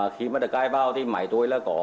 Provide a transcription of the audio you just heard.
khi mà được cai vào thì máy tôi là có